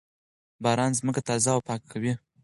باران ځمکه تازه او پاکه کوي.